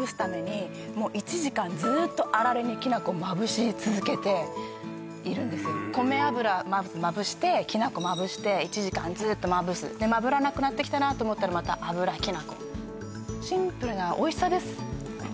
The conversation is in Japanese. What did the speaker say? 煎餅にきな粉をまぶすためにへ米油まずまぶしてきな粉まぶして１時間ずっとまぶすまぶらなくなってきたなと思ったらまた油きな粉シンプルなおいしさです